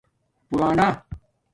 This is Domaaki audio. پُرانا